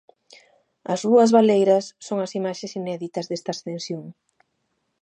As rúas baleiras son as imaxes inéditas desta Ascensión.